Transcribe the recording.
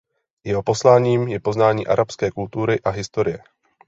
Jeho posláním je poznání arabské kultury a historie.